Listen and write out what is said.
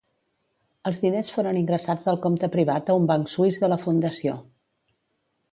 Els diners foren ingressats al compte privat a un banc suís de la fundació.